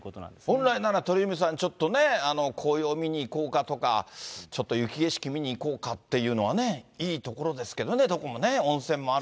本来なら、鳥海さん、ちょっとね、紅葉を見に行こうかとか、ちょっと雪景色見にいこうかっていうのはね、いい所ですけれどもそうです。